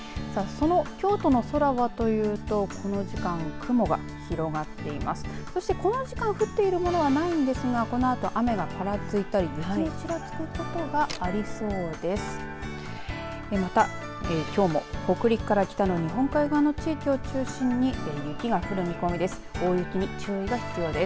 そして、この時間降っているものはないんですがこのあと、雨がぱらついたりちらつくことがありそうです。